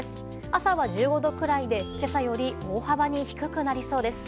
朝は１５度くらいで今朝より大幅に低くなりそうです。